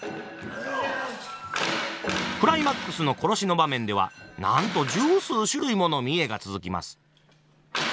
クライマックスの殺しの場面ではなんと十数種類もの見得が続きます。